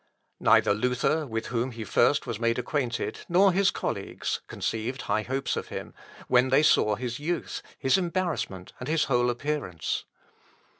Neither Luther, with whom he first was made acquainted, nor his colleagues, conceived high hopes of him, when they saw his youth, his embarrassment, and whole appearance.